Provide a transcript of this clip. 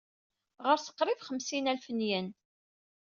Ɣers grib xemsin alef n yen.